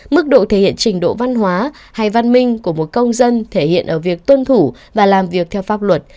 mức độ thể hiện trình độ văn hóa hay văn minh của một công dân thể hiện ở việc tuân thủ và làm việc theo pháp luật